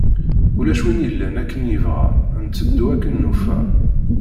Ulac win yellan akken yebɣa, nteddu akken nufa.